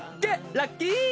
ラッキー！